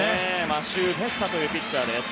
マシュー・フェスタというピッチャーです。